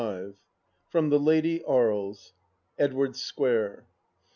XXV From The Lady Aries Edwardes Square.